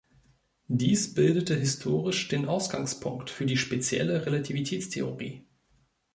Dies bildete historisch den Ausgangspunkt für die spezielle Relativitätstheorie.